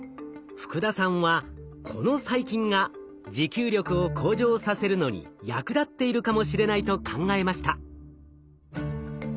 福田さんはこの細菌が持久力を向上させるのに役立っているかもしれないと考えました。